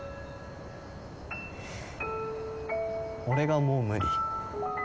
「俺がもう無理」